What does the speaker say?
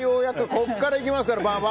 ここからいきますから。